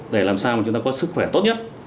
để làm sao mà chúng ta có sức khỏe tốt nhất